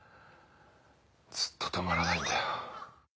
ずっと止まらないんだよ。